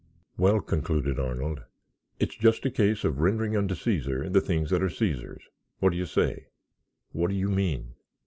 "Well," concluded Arnold, "it's just a case of rendering unto Caesar the things that are Caesar's. What do you say?" "What do you mean?"